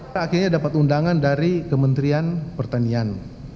kita akhirnya dapat undangan dari kementerian pertanian